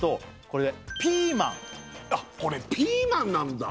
これ「ピーマン」あっこれピーマンなんだ